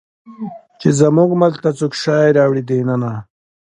چې زموږ ملک ته څوک شی راوړي دننه